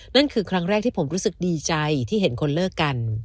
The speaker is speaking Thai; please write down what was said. นั่นคือครั้งแรกที่ผมรู้สึกดีใจที่เห็นคนเลิกกัน